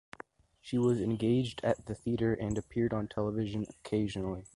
She was engaged at the theater and appeared on television occasionally.